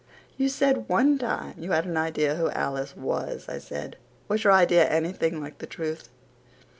"You said one time you had an idea who 'Alice' was," I said. "Was your idea anything like the truth?"